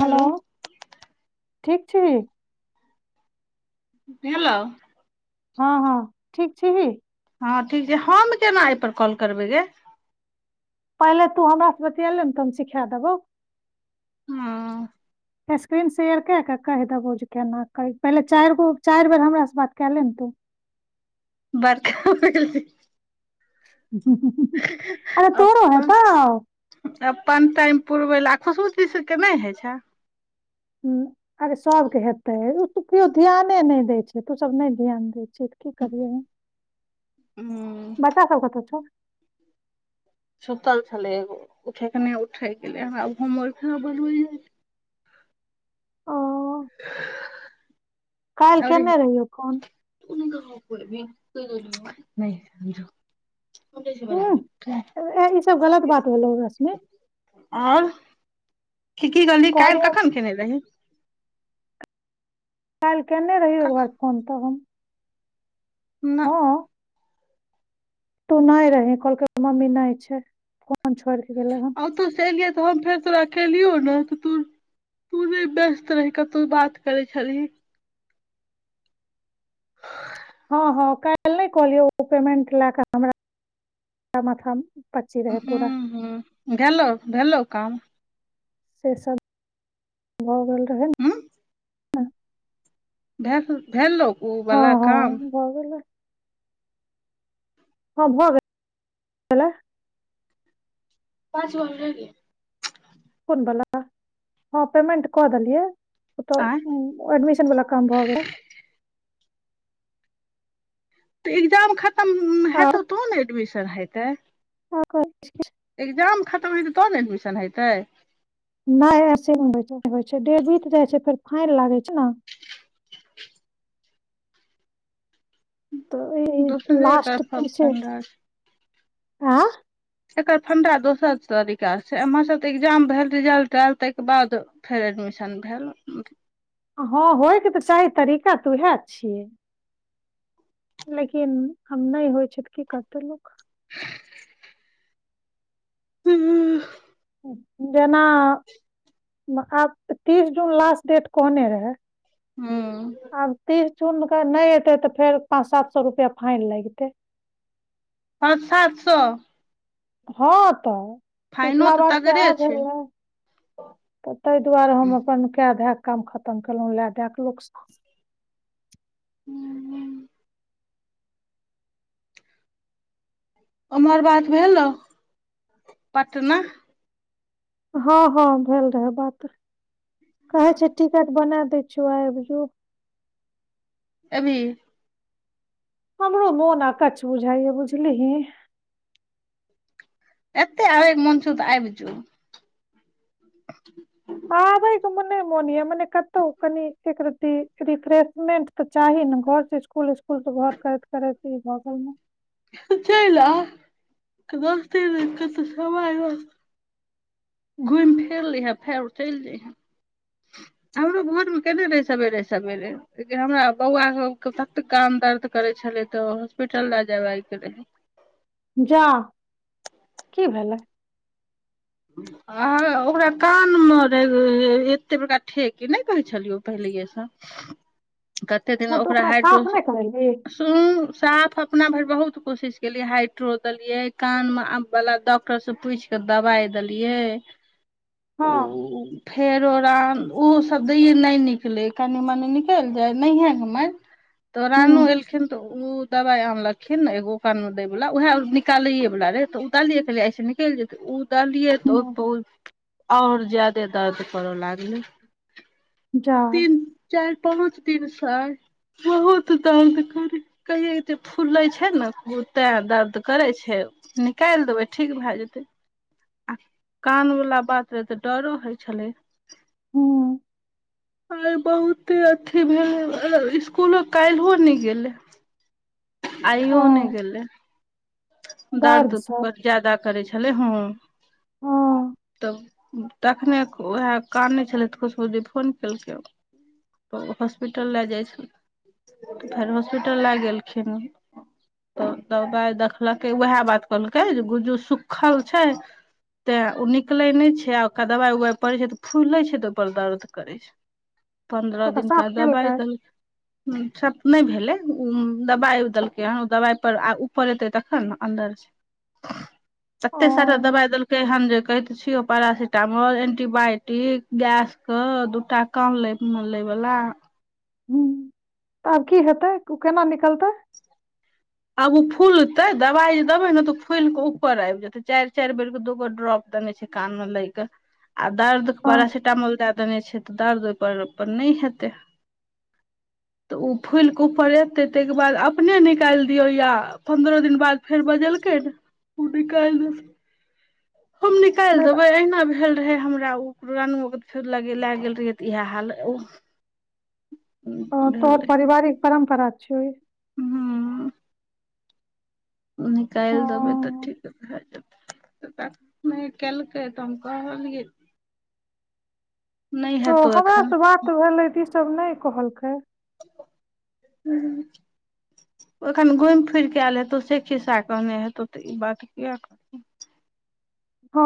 Hello ठीक छी भेलौ हाँ हाँ ठीक छी ही हाँ ठीक छै हम केना एहिपर कॉल करबय गे पहिले तू हमरासँ बतियाले ने तऽ हम सिखा देबौ हाँ स्क्रीन शेयर कए कऽ कहि देबहु जे केना करी पहिले चार गो चारि बेर हमरासे बात कए लेह तू [inaudible] बरका आ तोड़ो अपन हैतौ अपन टाइम पुरबै ल आ खुशबुश चीशके नहि होइ छैह ह अरे सभके हेतत ओ त केओ ध्यान नहि दैत छै तो सब नहि ध्यान दै छ की करियै हूँ बच्चा सब कतऽ छउ सुतल छलै एगो ठेकने उठै गेलै बराबर होइ ओ काल्हि केने रहिए फोन [unintelligible] हूँ, ए ई सब गलत बात भेलौ रश्मि ओर की की कहली काल्हि कहलियौ कखन खेने रही काल्हि केयने रहियौ एक बार कखन फोन तबऽ हम न हाँ तू नहि रहि कहलकै मम्मी नहि छै फोन छोड़ि के गेलै हन आ तो से एलिये तऽ हम फेर तोरा केलियौ ने त तू तू नहि व्यस्त रही कतहु बात करैत छलही हाँ हाँ काल्हि नहि कहलियौ ओ पेमेंट लए कऽ हमरा माथा पच्ची रहै ह्म पूरा ह्म भेलौ भेलौ काम से सब भऽ गेल रहै ने हूँ भेल भेललो ओ हँ बला हँ काम भऽ हाँ भऽ गेल पाँच बॉल रह गए कोन बला हाँ पेमेंट कह देलिय ओ तऽ आँय एडमिशनवला काम भऽ गेलै तऽ एग्जाम खतम हेतौ आर तो ने एडमिशन हेतै [unintelligible] एग्जाम खतम हइतै तब ने एडमिशन हेतै नहि ऐसे नहि होइ होइ छै डे बीत जाइ छै फेर फाइन लागै छै ने [inaudible] तऽ ई दोसरे एकर लास्ट त से फंडा हाँ एकर फंडा दोसर तरीका छै एमर सब त एग्जाम भेल रिजल्ट आयल ताहि के बाद फेर ए शन भेल हाँ होयके तऽ चाही तरीका तऽ उएह छियै लेकिन आ नहि होइ छै तऽ की करतै लोक [inaudible] ह जेना आब तीस जून लास्ट डेट कहने रहै हुं चुन कऽ नहि एतै तऽ फेर पाँच सात सए रुपआ फाइन लगतै हँ पाॅंच सात सए हँ तऽ पिछला बार तऽ तगड़े इएह छै भेलै तऽ ताहि दुआरे हम अपन कए धए क काम खतम केलहुँ लए दए कऽ लोक सॅं अमर बात भेलहु पटना हँ हँ भेल रहे बात कहै छै टिकट बना दै छियो आय जो ऐभी हमरो मोन अकच बुझाइ बुझलि ह एतेक आबेए के मन छो तऽ आबजू हँ मोन य मने कतहु कनी एक र रिफ्रेशमेंट तऽ चाही ने घर इसकुल उसकुल तऽ घर करैत करैत भगैल मे चलि आउ दोस्त त घुमि फिर लिहे फेर चलि जइहेँ [inaudible] हमरो भोर मे केने रहे सवेरे सवेरे हमरा बौआ के ततऽ काम दर्द करे छल होॉस्पिटल ल जब आइ गेल जा की भेलै ओकरा कान मे रह एते बड़का ठेक नहि कहे छलियौ पहिले ा [inaudible] कते दिन हँ तऽ ओकरा हाइड्रो साफ नहि करेलही साफ अपना भरि बहुत कोशिश केलिये हाइड्रो देलिये कान में आब वाला डॉक्टर से पूछि के दवाई दलियए हँ फेरो ररा ओहोसभ दैए नहि निकलै कनि मनि निकलि जाय नहिएके माय तऽ रानू हूँ एलखिन तऽ ओ दबाइ आनलखिन ने एगो कानमे दैवला ओएह निकालैेवला रहै तऽ उतालिे कहेलियै ऐसे निकलि जेतै ओ कहलियै तऽ हूँ ओ आओर ज्यादे दर्द करऽ लागलै जा तीन चारि पाँच दिन स बहुत दर्द कर कहिे फूले छै ने ओ तें दर्द करे छै निकालि देबै ठीक भए जेतैय आ कानवला बात रहय तऽ डरो होइत छलै हू आर बहुते अथी भेलैक इसकुलो काल्हिहो नहि गेलै [inaudible] आइो नहि हँ गेलय दर्द ज्यादा करैत छलै हँ हँ तखने उएह कानैत छलैऽ खुशबु दी फोन केलकै तऽ हॉस्पिटल लए जाइत छलऽ फेर हॉस्पिटल लए गेलखिन तऽ दबाइ देखलकै उएह बात कहलकै जे गुज्जू सुूकखल छै तैँ ओ निकलै नहि छै आ ओकरा दबाइ उबाइ पड़ै छै तऽ फूलि लै छै तऽ ओहिपर दर्द करै छै तऽ पन्द्रह ओकरा दिनका साफ दबाइ केलकै तऽ सब नहि भेलै हुँ दबाइ देलकै हन ओ दवाइ पर आ ऊपर एतै तखन ने अन्दर [inaudible] कतेक सारा दबाइ देलकै हन जे कहै तऽ छियौ पैरासिटामोल एंटीबायोटिक गैस हँ दू टा कानमे लय वला हुँ तऽ आब की हेतय ओ केना निकलतै आब ओ फूलतै दवाइ जे देबे ने तऽ फूलिकऽ ऊपर आबि जेतय चारि चारि बेर केँ दूगो ड्रॉप देेल कान मे दयलै दर्द हँ पारासीटामोल दय देने छै तऽ दर्द ओहिपर नहि हेतै तऽ ओ फुल कऽ ऊपर एतय ताहि द्वारे अपने निकालि दियौ या पन्द्रह दिन बाद फेर बजैलकैय उ निकाल दैतय हम निकालि नहि तऽ देबै अहिना भेल रहे हमरा उ पुरान फेर लग लए गेल रहियै तऽ इएह हाल ओ हँ भेल तोहर रहै परिवारिक परम्परा छियौ इ हूँ निकालि देबैय तऽ हँ ठीके भए जेतै त त केलकय तऽ हम कहलिय कह हमरा एखन त बात तऽ भेलै ई सभ नहि कहलकै हुँ एखन घुमि फिरि कऽ आयल हेतौ से खिस्सा कहने हेतौ तऽ ई बात किए करतौ [inaudible] हँ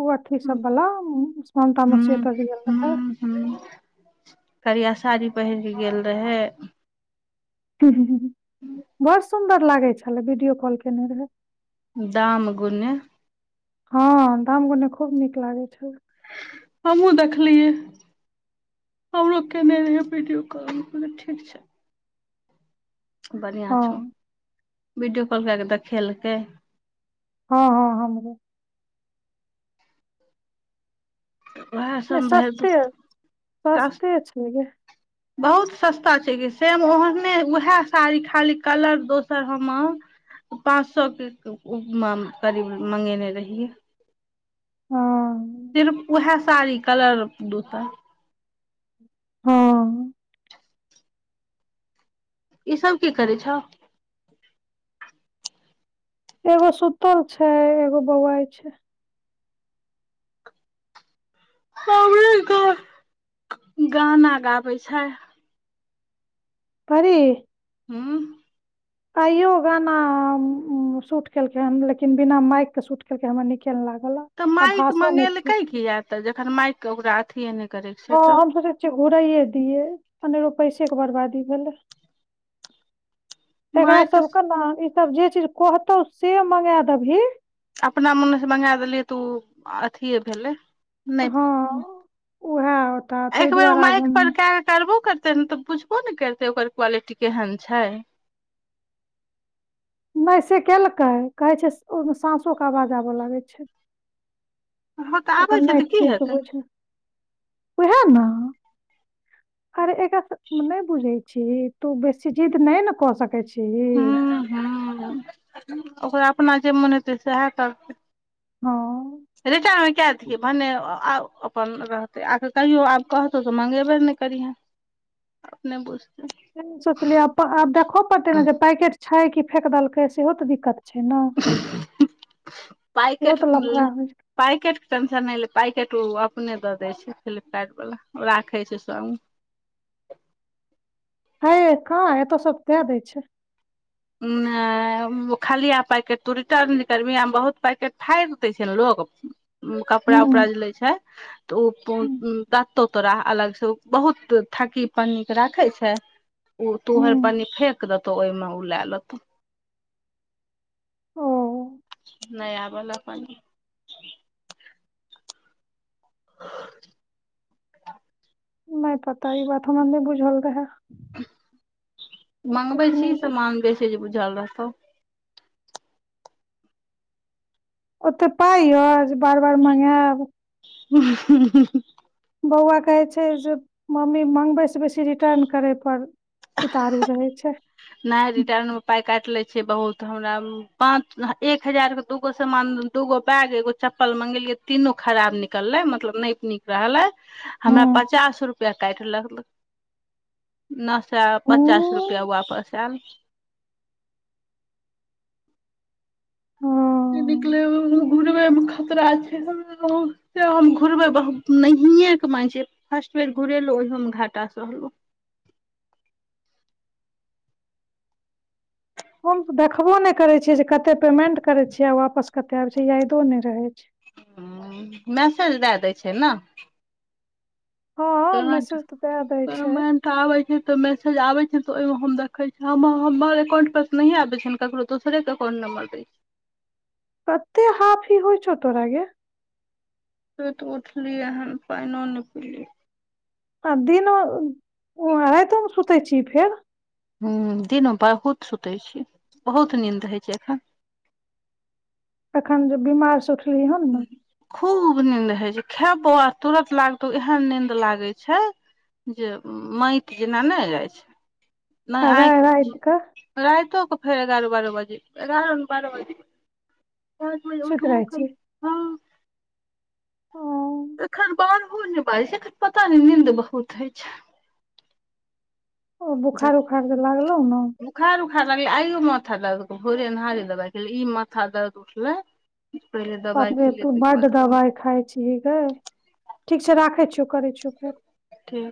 ओठी हूँ सब भला उ मानता मौसी ओतह जे गेल रहेय हूँ हूँ करिया साड़ी पहिर कऽ गेल रहय हुँ हुँ बड़ सुन्दर लागैत छलैक वीडियो कॉल केयने रहय दामगुने हँ दाम गुने खूब नीक लागैत छै हमहूँ देखलियै हमरो कने रहय वीडियो कॉल ठीक छै बढ़िआँ छौ हाँ, वीडियो कॉल कए कऽ देखेलकै हँ हँ हम उएह नै सभ भरि दु सस्ते, सस्ते छै गे। बहुत सस्ता छैक कि सेम ओहने उएह साड़ी खाली कलर दोसर हम पाँच सए केँ करीब मंगेने रहिए हँ सिर्फ उएह साड़ी कलर दूटा हँ ईसभ की करै छह एगो सुूतल छै एगो बौआइ छै गाना गाबै छै परी हुँ आइयो गाना हुँ म शूट केलकै ह लेकिन बिना माइकके शूट केलकै हमर न तऽ माायक मंगेलकय छै। किएक तऽ जखन माइककेँ ओकरा अथिए नहि करयके छै तऽ घुराइे दियए अनेरो पैसे के बर्बादी भेले एकरा माइक सबके ने ईसभ जे चीज कहतौ से मंगा देबही अपना मोनसँ मंगा देलियै तऽ ओ अथिए भेलै नहि उएहा एक बेेर माइक पर कए के करबो करत तऽ बुझबो ने करते ओकर क्वालिटी केहन छै नहि से केलकै कहै छै ओहिमे साँसोके आवाज आबय लागै छै हँ तऽ ओकर आबै छै नइ तऽ की ठीक हेतै बुझू उहे न अरे एकरा नइ बुझै छी तू बेसी जीद नई न कऽ सकै छी हूँ हूँ ओकरा अपना जे मोन हेतै सेहे करतै हँ पन रहतै आके तैयो आब कहतौ तऽ मंगेबे नइ करिहे अपने बुझ सोचलियै आ आब देखो पड़ते ने जे पैकेट छै की फेक देलकै सेहो तऽ दिक्कत ह [unintelligible] इहो पेैकेट तऽ लफड़ा होइ पैकेट के टेंशन नइ ले पैकेट अपने द दइ छै फ्लिप्काार्ट बला राखई छै सँग हे कहाँ एैत्त सब दै दै छै [unintelligible] खलिया पैकेट तू रिटर्न जे करबीही बहुत पैकेट फाइर दै छै ने लोग उ हूँ कपड़ा उपड़ा जे लै छै तऽ ओ हूँ दतहु तोरा अलगसँ ओ बहुत थाकी पन्नीके राखै छै ऊ तोहर हूँ पन्नी फेेक देतौ ओइमे ऊ लेै लेतो ओ नइ आबै ल अपन [inaudible] नइ पता इ बात हमरा नइ बुझल रहै मंगबै एखने छी समान बेसी जे बुझल रहतो ओते पाइ यए जे बार बार मंगैब [inaudible] बौआ कहै छै जे मम्मी मङगबै से बेसी रिटर्न करय पर उतारू रहे छै नइ रिटर्न पाय क केले छिएइ बहुत हमरा पाँच एक हज़ार में दुगो समान दुगो बैग एगो चप्पल मंगैलीअई तीनू खराब निकलै मतलब नइ निक रहलैय हमरा हँ पचास रुपया काईट लह लक न चा पचास रुपया हूँ वापस ऐल निकले हँ घुरबे मे खतरा छै हम घुरबे हियें कमाइ छै फस्ट बेर घुरेेलो ओहियो में घाटा सहलो [inaudible] हम तऽ देखबो नइ करै छि जे कते पेमेंट करै छियै आ वापस कतै आब जाइया यायदो नइ रहै छै ह मैसेज दैए दै छै न हँ पेमेंट मैसेज तऽ दए दै छै पेमेंट आबै छै तऽ मैसेज आबै छै त ओहिमे हम देखै छी हम हमर अकाउंट पर त नहीये आबै छै हम ककरो दोसरे के अकाउंट नंबर दैछी कतै हाफी होइ छउ तोरा गे सुति उठली हन पाइनो नइ पीली आ दिन राइतो में सुतै छी फेर हूँ दिन मे बहुत सुतै छी बहुत नीन्द होैइ छै एखन एखन जे बिमार स उठली हन न खूब नींद हे छै खेबौ आ तुरत लागतौ एहन नींद लागे छै जे माइत जेना नइ रहै छै नइ आँख राइ राइत कऽ रायतो क फेर एगारह बारह बाजे एगारह बारह बजे पाँच बजे सुति रहै छी उठबो एखन बारहो नइ बाजै छै एखन पता नइ नीन्द बहुत होइ छै ओ बोखार उखार जे लागल रहो न ह लागैय आइयो माथा दर्द भोरे अन्हारे दवाइ खेली ई माथा दर्द उठले बाप रे तू बड्ड दबाइ खाय छि गे ठीक छै राखे छ करै छीयो फेर ठीक